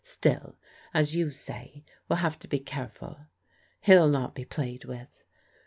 Still, as you say, we'll have to be careful. He'll not be played with.